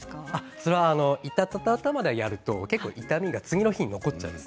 そこまでやると痛みが次の日に残っちゃうんです。